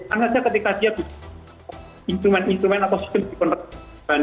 anggap saja ketika dia di instrument instrument atau kebanyakan